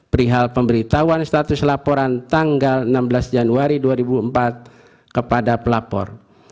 perihal pemberitahuan status laporan tanggal enam belas januari dua ribu empat kepada pelapor